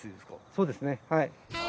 そうですねはい。